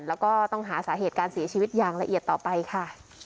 แล้วก็ต้องหาสาเหตุการเสียชีวิตอย่างละเอียดต่อไปค่ะ